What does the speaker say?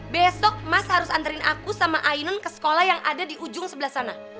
besok mas harus anterin aku sama ainun ke sekolah yang ada di ujung sebelah sana